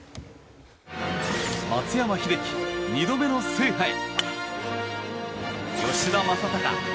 松山英樹２度目の制覇へ。